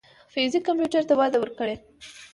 فزیک کمپیوټر ته وده ورکړه.